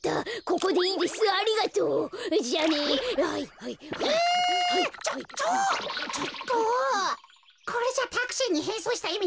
これじゃタクシーにへんそうしたいみないってか！